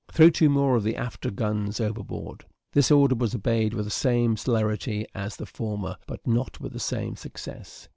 Throw two more of the after guns overboard." This order was obeyed with the same celerity as the former, but not with the same success.